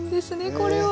これは！